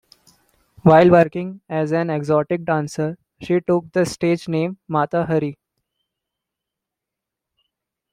While working as an exotic dancer, she took the stage name Mata Hari.